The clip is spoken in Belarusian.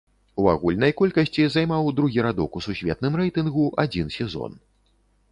У агульнай колькасці займаў другі радок у сусветным рэйтынгу адзін сезон.